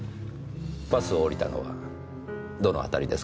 バスを降りたのはどの辺りですか？